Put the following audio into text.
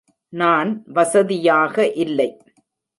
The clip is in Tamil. நான் வசதியாக இல்லை.